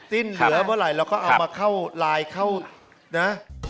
สิ้นเหลือเมื่อไหร่เราก็เอามาเข้าไลน์เข้านะ